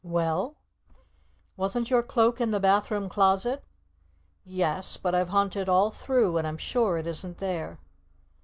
"Well?" "Wasn't your Cloak in the bathroom closet?" "Yes, but I've hunted all through and I'm sure it isn't there."